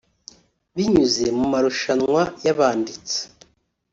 binyuze mu marushanwa y’abanditsi